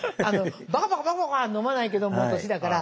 バカバカバカバカは飲まないけどもう年だから。